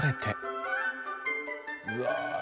うわ。